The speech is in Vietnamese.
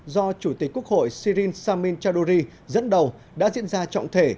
do chủ tịch quốc hội sirin samin chaudhuri dẫn đầu đã diễn ra trọng thể